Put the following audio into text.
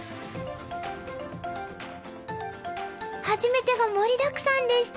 初めてが盛りだくさんでした。